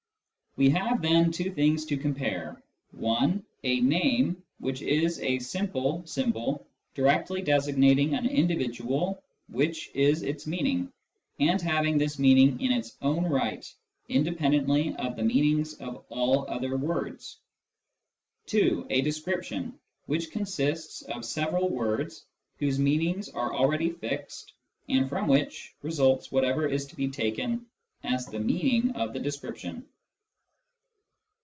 We have, then, two things to compare : (i) a name, which is a simple symbol, directly designating an individual which is its meaning, and having this meaning in its own right, in dependently of the meanings of all other words ; (2) a description, which consists of several words, whose meanings are already fixed, and from which results whatever is to be taken as the " meaning " of the description.